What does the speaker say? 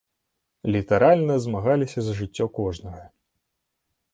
Літаральна змагаліся за жыццё кожнага.